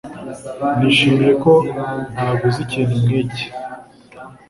Nishimiye ko ntaguze ikintu nkiki.